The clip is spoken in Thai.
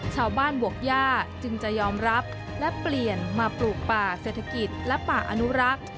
บวกย่าจึงจะยอมรับและเปลี่ยนมาปลูกป่าเศรษฐกิจและป่าอนุรักษ์